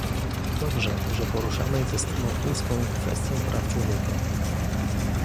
Dobrze, że poruszamy ze stroną chińską kwestię praw człowieka